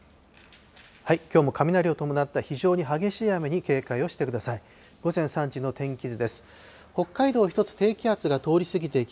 きょうも雷を伴った非常に激しい雨に警戒をしてください。